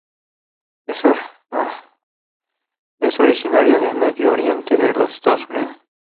Es originario del Medio Oeste de los Estados Unidos.